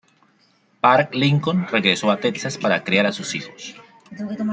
Park Lincoln regresó a Texas para criar a sus hijos.